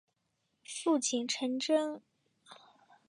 父亲陈贞。